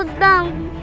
nang aku takut nang